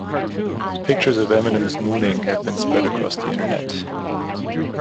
Pictures of Eminem's mooning have been spread across the internet.